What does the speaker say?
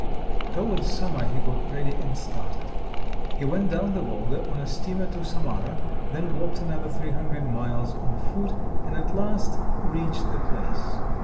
Towards summer he got ready and started. He went down the Volga on a steamer to Samara, then walked another three hundred miles on foot, and at last reached the place.